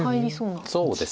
そうですね。